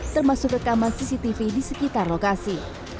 termasuk rekaman cctv di sekitar lokasi